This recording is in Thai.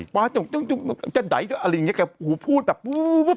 แกหูพูดแบบ